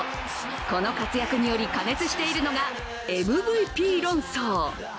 この活躍により過熱しているのがＭＶＰ論争。